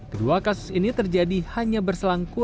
kedua kasus ini terjadi hanya berselangkuan